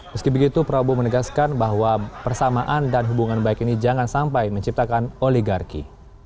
meski begitu prabowo menegaskan bahwa persamaan dan hubungan baik ini jangan sampai menciptakan oligarki